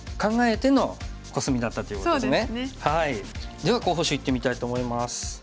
では候補手いってみたいと思います。